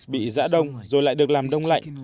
bị giã đông rồi lại được làm đông lạnh